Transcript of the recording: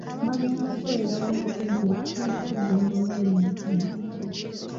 Bagenda kukolera wamu okuzza ekitiibwa ky'eggombolola eno engulu.